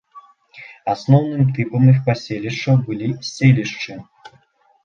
Асноўным тыпам іх паселішчаў былі селішчы.